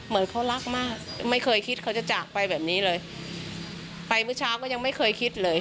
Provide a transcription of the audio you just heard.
ไม่เคยคิดเขาจะจากไปแบบนี้เลยไปเมื่อเช้าก็ยังไม่เคยคิดเลย